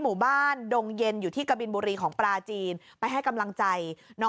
มุ่งบ้านดงเย็นอยู่ติดประปราชินฯมาให้กำลังใจ